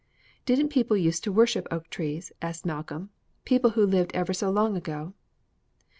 "Didn't people use to worship oak trees," asked Malcolm "people who lived ever so long ago?"